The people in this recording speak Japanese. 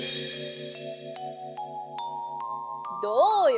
どうよ！